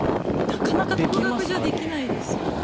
なかなか独学じゃできないですよね。